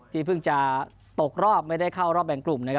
เพิ่งจะตกรอบไม่ได้เข้ารอบแบ่งกลุ่มนะครับ